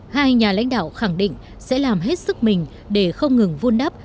hai nhà lãnh đạo khẳng định sẽ làm hết sức mình để không ngừng vun đắp